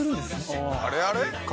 あれあれ？